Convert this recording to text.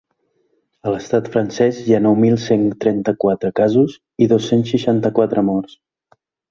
A l’estat francès hi ha nou mil cent trenta-quatre casos i dos-cents seixanta-quatre morts.